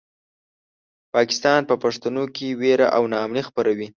پاکستان په پښتنو کې وېره او ناامني خپروي.